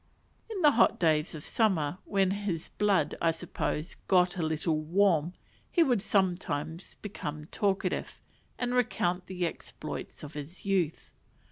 In the hot days of summer, when his blood, I suppose, got a little warm, he would sometimes become talkative, and recount the exploits of his youth.